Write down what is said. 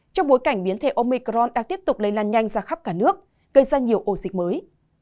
trong bối cảnh biến thể omicron đang tiếp tục lây lan nhanh ra khắp cả nước gây ra nhiều ổ dịch mới